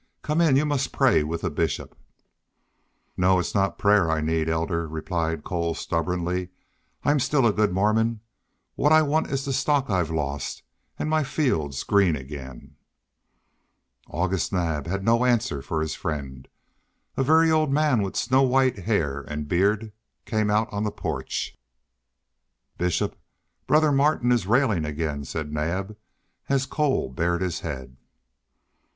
Come in, you must pray with the Bishop." "No, it's not prayer I need, Elder," replied Cole, stubbornly. "I'm still a good Mormon. What I want is the stock I've lost, and my fields green again." August Naab had no answer for his friend. A very old man with snow white hair and beard came out on the porch. "Bishop, brother Martin is railing again," said Naab, as Cole bared his head.